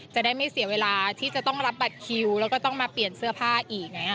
จะได้ไม่เสียเวลาที่จะต้องรับบัตรคิวแล้วก็ต้องมาเปลี่ยนเสื้อผ้าอีก